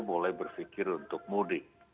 boleh berpikir untuk mudik